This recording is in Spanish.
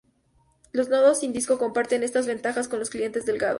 Los nodos sin disco comparten estas ventajas con los clientes delgados.